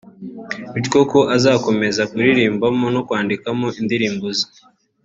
bityo ko aricyo azakomeza kuririmbamo no kwandikamo indirimbo ze